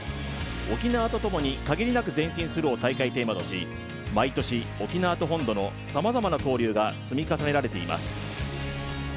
沖縄と共に限りなく前進するを大会テーマとし毎年沖縄と本土のさまざまな交流が積み重ねられています。